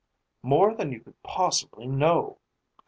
"More than you could possibly know!